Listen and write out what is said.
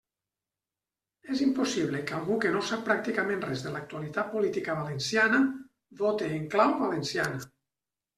És impossible que algú que no sap pràcticament res de l'actualitat política valenciana vote en clau valenciana.